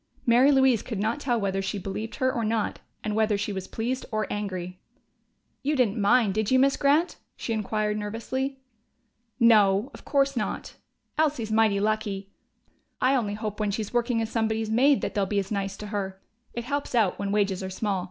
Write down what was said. Mary Louise could not tell whether she believed her or not and whether she was pleased or angry. "You didn't mind, did you, Miss Grant?" she inquired nervously. "No, of course not. Elsie's mighty lucky.... I only hope when she's working as somebody's maid that they'll be as nice to her. It helps out, when wages are small.